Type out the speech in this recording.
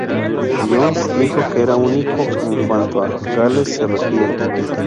Jones dijo que era "único, en cuanto a Gales se refiere.